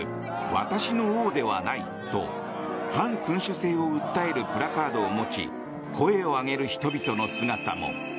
私の王ではないと反君主制を訴えるプラカードを持ち声を上げる人々の姿も。